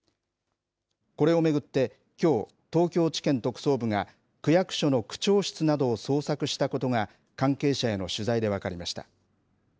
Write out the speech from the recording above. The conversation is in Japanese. これを巡って、きょう、東京地検特捜部が区役所の区長室などを捜索したことが、関係者への取材で分かりました。